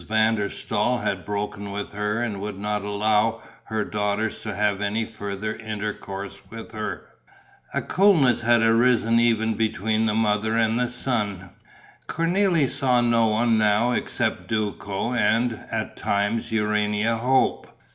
van der Staal had broken with her and would not allow her daughters to have any further intercourse with her. A coolness had arisen even between the mother and the son. Cornélie saw no one now except Duco and, at times, Urania Hope.